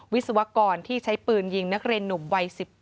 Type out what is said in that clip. วิศวกรที่ใช้ปืนยิงนักเรียนหนุ่มวัย๑๗